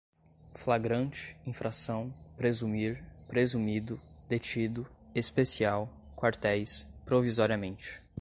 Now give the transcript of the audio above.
flagrante, infração, presumir, presumido, detido, especial, quartéis, provisoriamente